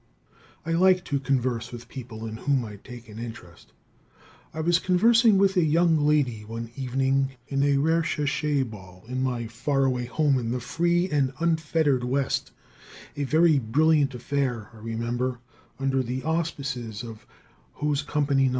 I like to converse with people in whom I take an interest. I was conversing with a young lady one evening at a recherche ball in my far away home in the free and unfettered West, a very brilliant affair, I remember, under the auspices of Hose Company No.